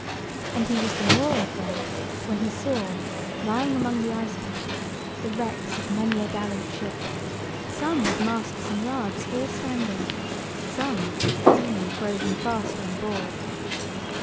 And he was the more afraid, when he saw lying among the ice pack the wrecks of many a gallant ship; some with masts and yards all standing, some with the seamen frozen fast on board.